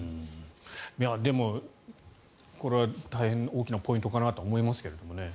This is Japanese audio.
でも、これは大変大きなポイントかなと思いますけれど。